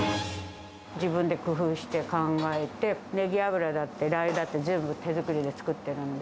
自分で工夫して考えて、ねぎ油だったり、ラー油だって、全部手作りで作ってるんで。